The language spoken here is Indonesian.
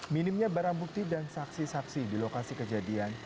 minimnya barang bukti dan saksi saksi di lokasi kejadian